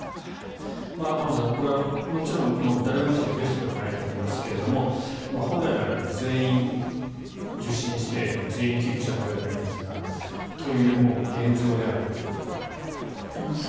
浜田さん、これはもちろん誰が見てもベストではないと思いますが本来であれば全員受診して全員救急車を呼べればいいんですがという、もう現状であるということのようです。